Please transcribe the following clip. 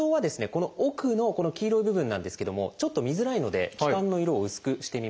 この奥のこの黄色い部分なんですけどもちょっと見づらいので気管の色を薄くしてみますね。